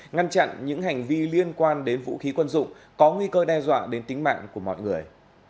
ngăn chặn những hành vi liên quan đến vũ khí quân dụng có nguy cơ đe dọa đến tính mạng của mọi người